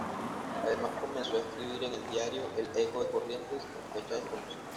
Además comenzó a escribir en el diario "El Eco de Corrientes", en fecha desconocida.